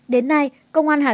đến nay công an huyện